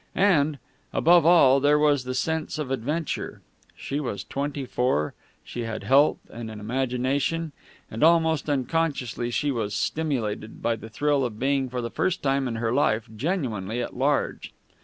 And, above all, there was the sense of adventure. She was twenty four; she had health and an imagination; and almost unconsciously she was stimulated by the thrill of being for the first time in her life genuinely at large.